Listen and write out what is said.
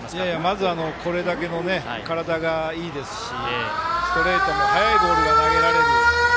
まずこれだけの体がいいですし、ストレートも速いボールが投げられる。